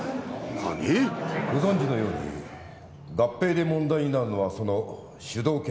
ご存じのように合併で問題になるのはその主導権争い。